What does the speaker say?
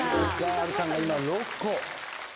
波瑠さんが今６個。